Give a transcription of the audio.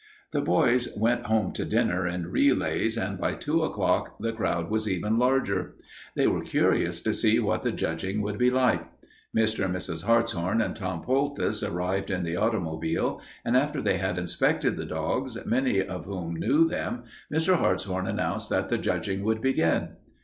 The boys went home to dinner in relays, and by two o'clock the crowd was even larger. They were curious to see what the judging would be like. Mr. and Mrs. Hartshorn and Tom Poultice arrived in the automobile, and after they had inspected the dogs, many of whom knew them, Mr. Hartshorn announced that the judging would begin.